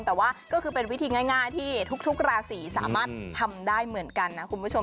แต่ว่าก็คือเป็นวิธีง่ายที่ทุกราศีสามารถทำได้เหมือนกันนะคุณผู้ชม